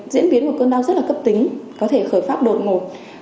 diễn biến của cơn đau rất là cấp tính có thể khởi phát đột ngột